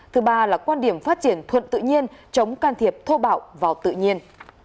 thứ ba là quan điểm phát triển thuận tự nhiên chống can thiệp thô bạo vào tự nhiên